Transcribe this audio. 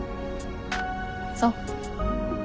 そう。